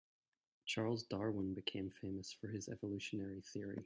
Charles Darwin became famous for his evolutionary theory.